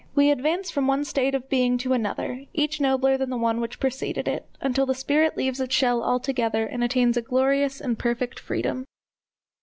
We advance from one state of being to another, each nobler than the one which preceded it, until the spirit leaves its shell altogether and attains a glorious and perfect freedom.